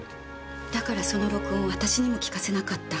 だからその録音を私にも聞かせなかった。